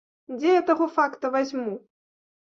Дзе я таго факта вазьму!